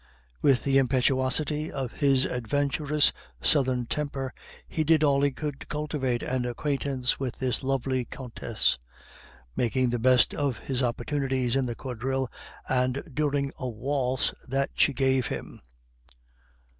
With the impetuosity of his adventurous southern temper, he did all he could to cultivate an acquaintance with this lovely countess, making the best of his opportunities in the quadrille and during a waltz that she gave him.